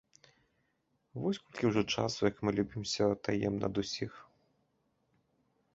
Вось колькі ўжо часу, як мы любімся таемна ад усіх.